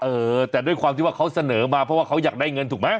เออแต่ด้วยความที่ว่าเขาเสนอมาเพราะว่าเขาอยากได้เงินถูกไหม